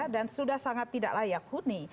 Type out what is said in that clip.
dan sudah sangat tidak layak huni